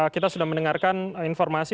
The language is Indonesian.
kita sudah mendengarkan informasi